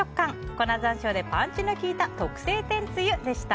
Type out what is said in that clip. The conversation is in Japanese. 粉山椒でパンチの利いた特製天つゆでした。